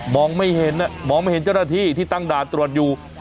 ไม่เห็นมองไม่เห็นเจ้าหน้าที่ที่ตั้งด่านตรวจอยู่